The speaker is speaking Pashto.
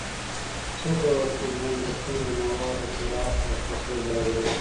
څه ډول انلاين درسونه د موادو پراخ لاسرسی برابروي؟